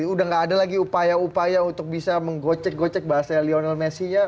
udah gak ada lagi upaya upaya untuk bisa menggocek gocek bahasa lionel messinya